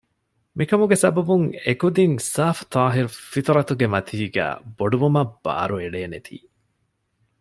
މިކަމުގެ ސަބަބުން އެ ކުދިން ސާފު ޠާހިރު ފިޠުރަތުގެ މަތީގައި ބޮޑުވުމަށް ބާރުއެޅޭނެތީ